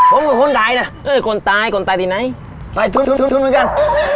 ผมคือคนตายนะเออคนตายคนตายที่ไหนตายทุนเหมือนกัน